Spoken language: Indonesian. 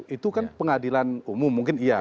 itu kan pengadilan umum mungkin iya